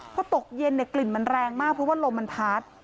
พอตกเย็นเนี่ยกลิ่นมันแรงมากเพราะว่าลมมันพัด